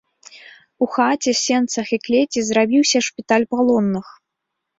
У хаце, сенцах і клеці зрабіўся шпіталь палонных.